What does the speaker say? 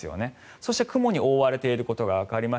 そして、雲に覆われていることがわかります。